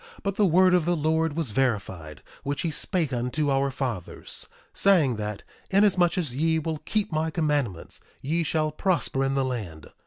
But the word of the Lord was verified, which he spake unto our fathers, saying that: Inasmuch as ye will keep my commandments ye shall prosper in the land.